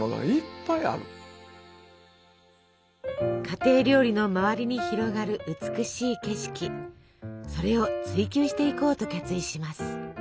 だから家庭料理の周りに広がる美しい景色それを追求していこうと決意します。